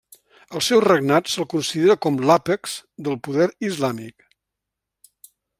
Al seu regnat se'l considera com l'àpex del poder islàmic.